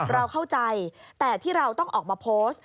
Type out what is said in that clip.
เราเข้าใจแต่ที่เราต้องออกมาโพสต์